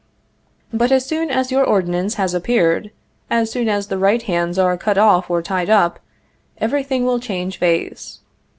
But as soon as your ordinance has appeared, as soon as the right hands are cut off or tied up, everything will change face.